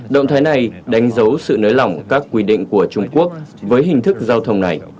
động thái này đánh dấu sự nới lỏng các quy định của trung quốc với hình thức giao thông này